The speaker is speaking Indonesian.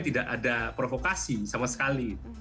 tidak ada provokasi sama sekali